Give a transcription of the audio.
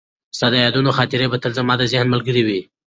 ستا د یادونو خاطرې به تل زما د ذهن ملګرې وي.